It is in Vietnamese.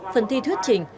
phần thi thuyết trình